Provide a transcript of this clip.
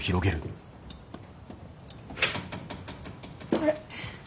・あれ？